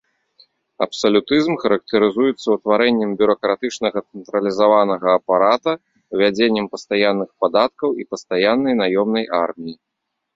Абсалютызм характарызуецца утварэннем бюракратычнага цэнтралізаванага апарата, увядзеннем пастаянных падаткаў і пастаяннай наёмнай арміі.